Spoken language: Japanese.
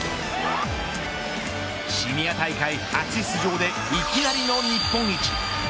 シニア大会初出場でいきなりの日本一。